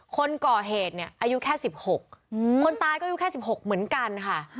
คนก่อเหตุเนี่ยอายุแค่๑๖คนตายก็อายุแค่๑๖เหมือนกันค่ะ